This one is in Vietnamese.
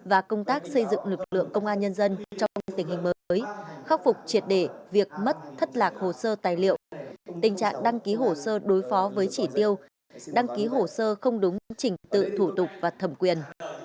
và công tác xây dựng lực lượng công an nhân dân trong tình hình mới khắc phục triệt để việc mất thất lạc hồ sơ tài liệu tình trạng đăng ký hồ sơ đối phó với chỉ tiêu đăng ký hồ sơ không đúng trình tự thủ tục và thẩm quyền